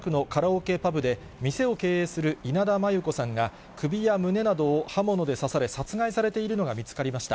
今月１４日、大阪市北区のカラオケパブで、店を経営する稲田真優子さんが首や胸などを刃物で刺され、殺害されているのが見つかりました。